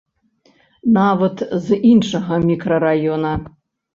Нават з іншага мікрараёна.